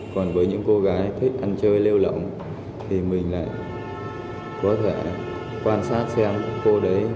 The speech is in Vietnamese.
còn với những cô gái thích ăn chơi lêu lỏng thì mình lại có thể quan sát xem cô đấy